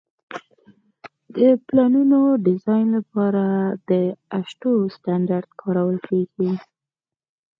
د پلونو ډیزاین لپاره د اشټو سټنډرډ کارول کیږي